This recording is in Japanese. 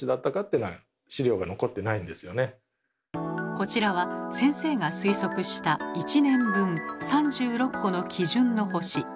こちらが先生が推測した１年分３６個の基準の星。